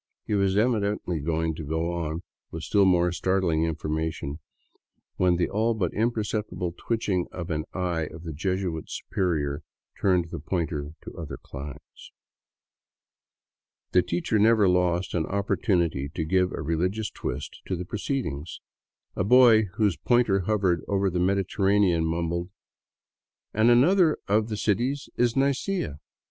." He was evidently going on with still more startling information when the all but imperceptible twitching of an eye of the Jesuit superior turned the pointer to other climes. The teacher never lost an opportunity to give a religious twist to the proceedings. A boy whose pointer hovered over the Mediterranean mumbled :" And another of the cities is Nicea.